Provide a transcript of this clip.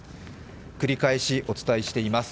繰り返しお伝えしています。